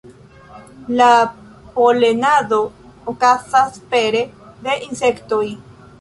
La polenado okazas pere de insektoj.